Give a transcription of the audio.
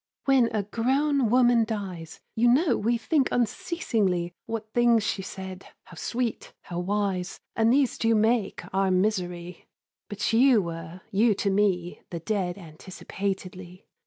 When a grown woman dies, You know we think unceasingly What things she said, how sweet, how wise; And these do make our misery. But you were (you to me The dead anticipatedly!)